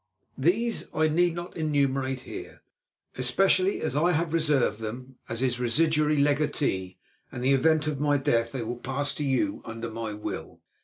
These I need not enumerate here, especially as I have reserved them as his residuary legatee and, in the event of my death, they will pass to you under my will.